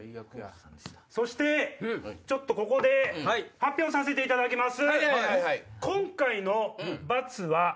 そしてちょっとここで発表させていただきます。